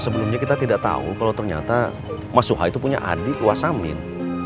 sebelumnya kita tidak tahu kalau ternyata mas suha itu punya adik wasamin